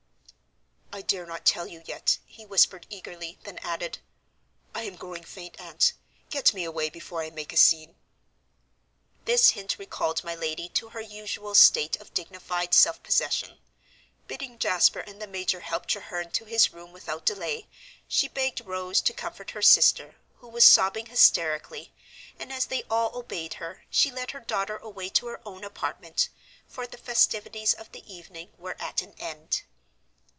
"I dare not tell you yet," he whispered eagerly, then added, "I am growing faint, Aunt. Get me away before I make a scene." This hint recalled my lady to her usual state of dignified self possession. Bidding Jasper and the major help Treherne to his room without delay, she begged Rose to comfort her sister, who was sobbing hysterically, and as they all obeyed her, she led her daughter away to her own apartment, for the festivities of the evening were at an end.